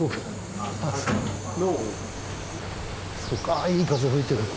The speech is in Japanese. ああいい風吹いてる。